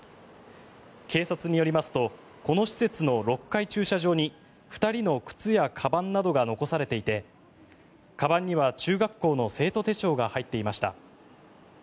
警察によりますとこの施設の６階駐車場に２人の靴やかばんなどが残されていてかばんには中学校の生徒手帳が入っていました。